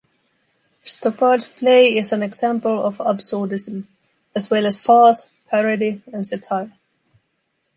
Stoppard's play is an example of absurdism as well as farce, parody, and satire.